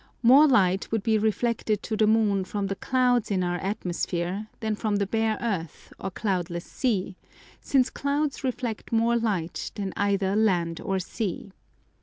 More light would be reflected to the moon from the clouds in our atmosphere than from the bare earth or cloudless sea, since clouds reflect more light than either land or sea.